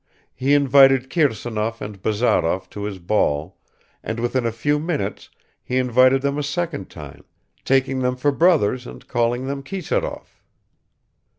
He invited Kirsanov and Bazarov to his ball, and within a few minutes he invited them a second time, taking them for brothers and calling them Kisarov.